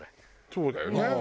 そうだよね。